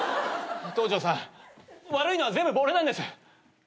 東條さん悪いのは全部俺なんです。